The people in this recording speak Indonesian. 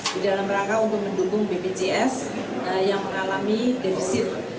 di dalam rangka untuk mendukung bpjs yang mengalami defisit